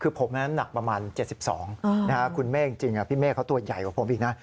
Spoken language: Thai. คือผมนั้นหนักประมาณ๗๒คุณเมฆจริงพี่เมฆเขาตัวใหญ่กว่าผมอีกนะ